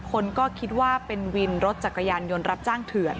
คนก็คิดว่าเป็นวินรถจักรยานยนต์รับจ้างเถื่อน